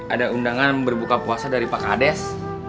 ada undangan berbuka puasa dari pak kades